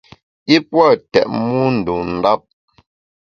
I pua’ tètmu ndun ndap.